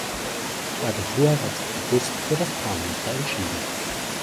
Die Agentur hat sich bewusst für das Tarnmuster entschieden.